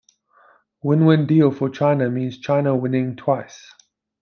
Win-Win Deal for China means "China Winning Twice"